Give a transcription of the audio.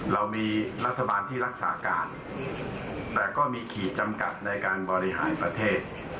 เรามีรัฐบาลที่รักษาการแต่ก็มีขีดจำกัดในการบริหารประเทศ